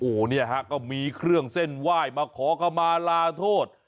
โอ้โหเนี่ยฮะก็มีเครื่องเส้นไหว้มาขอเข้ามาลาโทษ